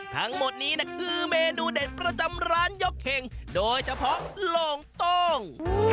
ทั้งหมดนี้คือเมนูเด็ดประจำร้านยกเข่งโดยเฉพาะโล่งโต้ง